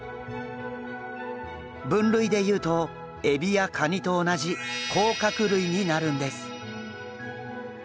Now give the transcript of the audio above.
分類でいうとエビやカニと同じ甲殻類になるんです。